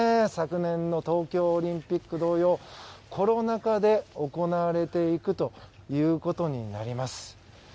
昨年の東京オリンピック同様コロナ禍で行われていくということになります。